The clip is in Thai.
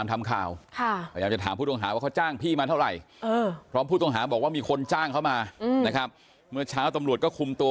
มีความแพ้อะไรกันไหมไม่มีครับพี่ว่าไงครับพี่ว่าอะไรครับ